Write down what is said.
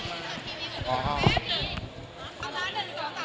ถ้าพี่เลิกสลับมา